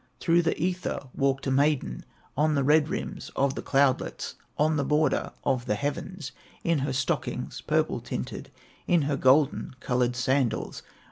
"Through the ether walked a maiden, On the red rims of the cloudlets, On the border of the heavens, In her stockings purple tinted, In her golden colored sandals.